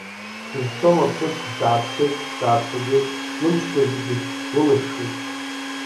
Дызцом аԥҳәыс, дааԥсеит, дааԥсаӡеит, лымчқәа зегьы лылышәшәеит.